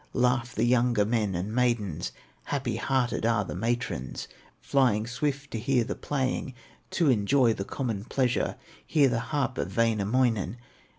Laugh the younger men and maidens, Happy hearted are the matrons Flying swift to bear the playing, To enjoy the common pleasure, Hear the harp of Wainamoinen.